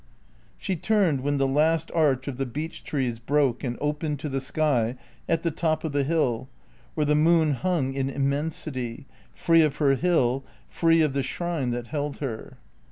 She turned when the last arch of the beech trees broke and opened to the sky at the top of the hill, where the moon hung in immensity, free of her hill, free of the shrine that held her.